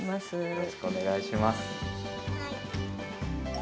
よろしくお願いします。